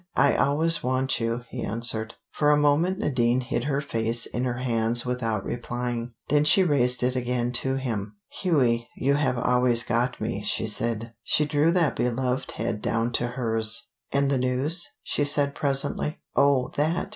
"I always want you," he answered. For a moment Nadine hid her face in her hands without replying. Then she raised it again to him. "Hughie, you have always got me," she said. She drew that beloved head down to hers. "And the news?" she said presently. "Oh, that!"